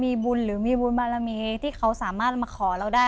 มีบุญหรือมีบุญบารมีที่เขาสามารถมาขอเราได้